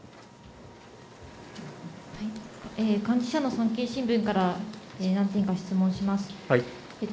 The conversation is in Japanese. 産経新聞から何点か質問します。